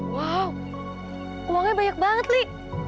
wow uangnya banyak banget lho